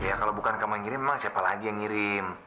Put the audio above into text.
ya kalau bukan kamu yang ngirim emang siapa lagi yang ngirim